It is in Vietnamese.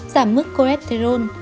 giảm mức coresterol